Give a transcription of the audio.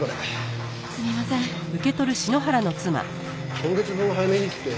今月分を早めにって